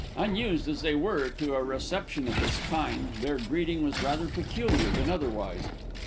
Unused as they were to a reception of this kind, their greeting was rather peculiar than otherwise.